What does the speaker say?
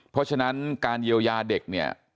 เพราะฉะนั้นการเยียวยาเด็กเนี่ย